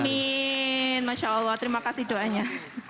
amin masya allah terima kasih doanya